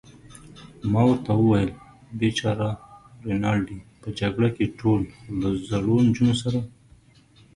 ما ورته وویل: بېچاره رینالډي، په جګړه کې ټول، خو له زړو نجونو سره.